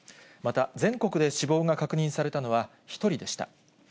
また全国で死亡が確認されたのは１人でした。